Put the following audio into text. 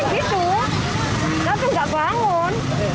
dia jatuh nggak bisa bangun